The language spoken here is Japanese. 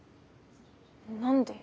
何で？